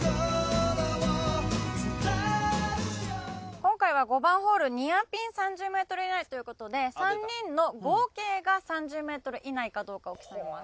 今回は５番ホールニアピン３０ｍ以内ということで３人の合計が３０ｍ以内かどうかを競います。